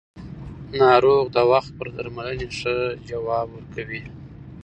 ناروغ د وخت پر درملنې ښه ځواب ورکوي